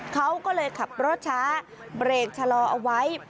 เขาก็เลยขับรถช้าเบรกชะลอเอาไว้